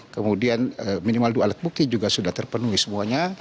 kemudian minimal dua alat bukti juga sudah terpenuhi semuanya